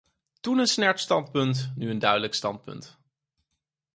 Toen een snertstandpunt, nu een duidelijk standpunt.